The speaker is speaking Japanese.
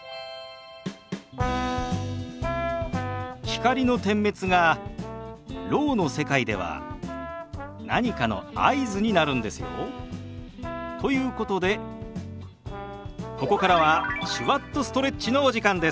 光の点滅がろうの世界では何かの合図になるんですよ。ということでここからは「手話っとストレッチ」のお時間です。